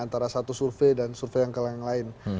antara satu survei dan survei yang ke lain lain